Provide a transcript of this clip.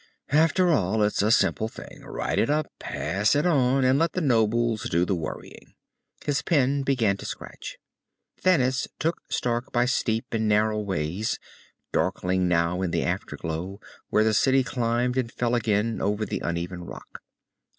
"After all, it's a simple thing. Write it up, pass it on, and let the nobles do the worrying." His pen began to scratch. Thanis took Stark by steep and narrow ways, darkling now in the afterglow, where the city climbed and fell again over the uneven rock.